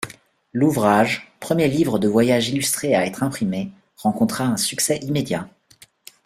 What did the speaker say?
L’ouvrage, premier livre de voyage illustré à être imprimé, rencontra un succès immédiat.